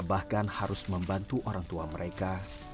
bahkan harus membantu orang tua mereka